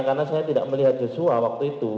karena saya tidak melihat joshua waktu itu